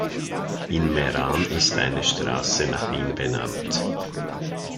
In Meran ist eine Straße nach ihm benannt.